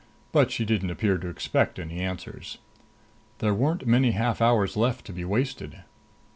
But she didn't appear to expect any answers. There weren't many half hours left to be wasted.